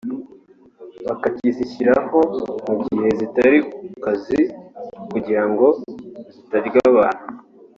bakakizishyiraho mu gihe zitari ku kazi kugira ngo zitarya abantu